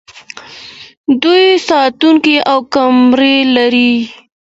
دوی ساتونکي او کمرې لري.